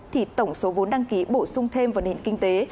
thì tổng số vốn đăng ký bổ sung thêm vào nền kinh tế